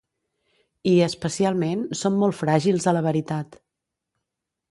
I, especialment, som molt fràgils a la veritat.